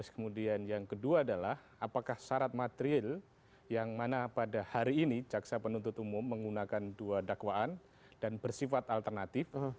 kemudian yang kedua adalah apakah syarat material yang mana pada hari ini jaksa penuntut umum menggunakan dua dakwaan dan bersifat alternatif